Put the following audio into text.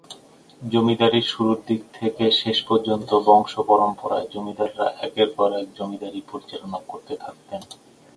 জমিদারীর শুরুর থেকে শেষ পর্যন্ত বংশপরামপণায় জমিদাররা একের পর এক জমিদারী পরিচালনা করতে থাকেন।